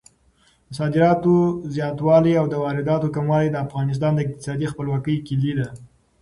د صادراتو زیاتوالی او د وارداتو کموالی د افغانستان د اقتصادي خپلواکۍ کیلي ده.